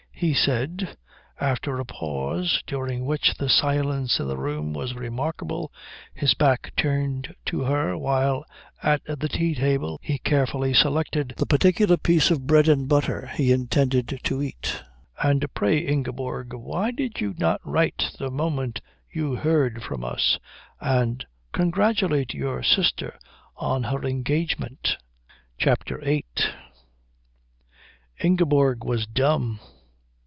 He said, after a pause during which the silence in the room was remarkable, his back turned to her while at the tea table he carefully selected the particular piece of bread and butter he intended to eat, "And pray, Ingeborg, why did you not write the moment you heard from us, and congratulate your sister on her engagement?" CHAPTER VIII Ingeborg was dumb.